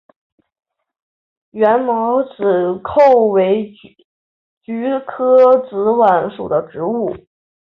缘毛紫菀为菊科紫菀属的植物。